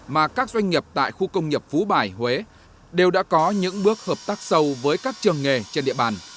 mà các doanh nghiệp tại khu công nghiệp phú bài huế đều đã có những bước hợp tác sâu với các trường nghề trên địa bàn